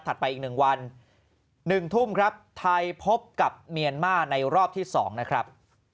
ไปอีก๑วัน๑ทุ่มครับไทยพบกับเมียนมาร์ในรอบที่๒นะครับ